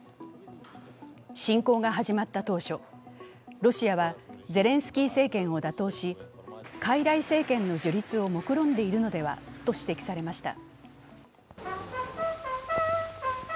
侵攻が始まった当初、ロシアはゼレンスキー政権を打倒し傀儡政権の樹立をもくろんでいるのではと指摘されました。